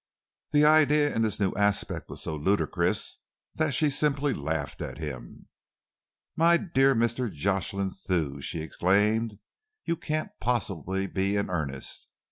The idea in this new aspect was so ludicrous that she simply laughed at him. "My dear Mr. Jocelyn Thew!" she exclaimed. "You can't possibly be in earnest!